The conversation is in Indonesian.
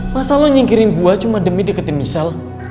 masa lo nyingkirin gua cuma demi deketin misal